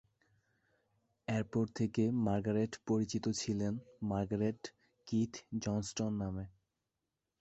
এরপর থেকে মার্গারেট পরিচিত ছিলেন মার্গারেট কিথ জনস্টন নামে।